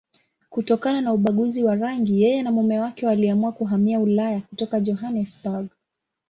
Kutokana na ubaguzi wa rangi, yeye na mume wake waliamua kuhamia Ulaya kutoka Johannesburg.